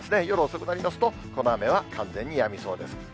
夜遅くになりますと、この雨は完全にやみそうです。